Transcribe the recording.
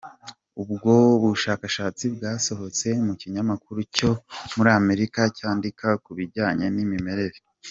Ubwo bushakashatsi bwasohotse mu kinyamakuru cyo muri Amerika cyandika ku bijyanye n’imirire.